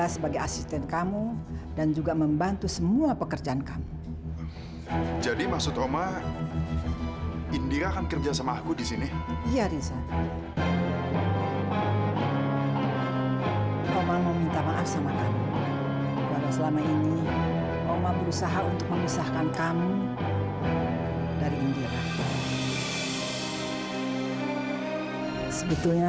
sampai jumpa di video selanjutnya